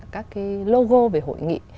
các cái logo về hội nghị